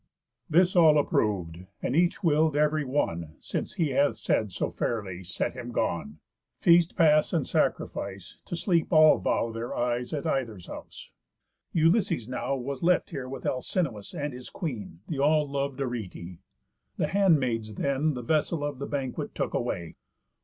This all approv'd; and each will'd ev'ry one, Since he hath said so fairly, set him gone. Feast past and sacrifice, to sleep all vow Their eyes at either's house. Ulysses now Was left here with Alcinous, and his Queen, The all lov'd Arete. The handmaids then The vessel of the banquet took away.